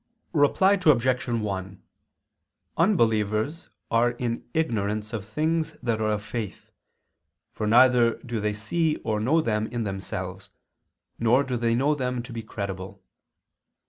Reply Obj. 1: Unbelievers are in ignorance of things that are of faith, for neither do they see or know them in themselves, nor do they know them to be credible.